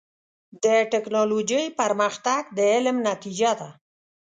د ټکنالوجۍ پرمختګ د علم نتیجه ده.